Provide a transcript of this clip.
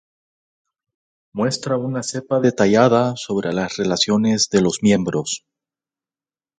Muestra una cepa detallada sobre las relaciones de los miembros.